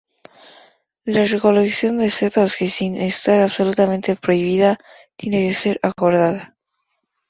La recolección de setas que, sin estar absolutamente prohibida, tiene que ser acordada.